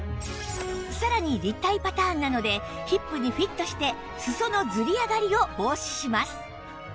さらに立体パターンなのでヒップにフィットして裾のずり上がりを防止します